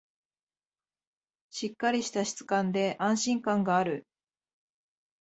しっかりした質感で安心感がある